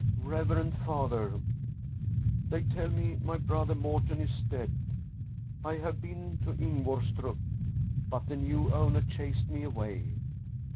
" Reverend father, they tell me my brother Morten is dead. I have been to Ingvorstrup, but the new owner chased me away.